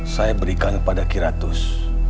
saya berikan kepada kiratus